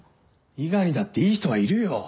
伊賀にだっていい人はいるよ。